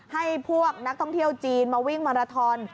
ให้พวกนักท่องเที่ยวจีนมาวิ่งมาราทอน